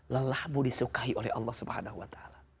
lelahmu disukai oleh allah swt